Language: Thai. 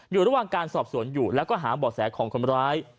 อยู่ระหว่างการสอบสวนหรือหาบอกแสของคนร้าย